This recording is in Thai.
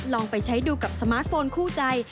ลองไปใช้ดูกับสมาร์ทโฟนคู่ใจ